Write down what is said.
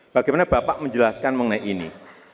bagaimana bapak menjelaskan mengenai ini